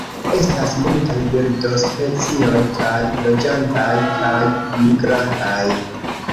Estas multaj birdospecioj, kaj loĝantaj kaj migrantaj.